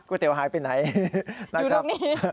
โอ้โฮหกสิครับ